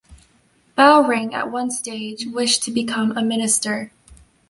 Bowring at one stage wished to become a minister.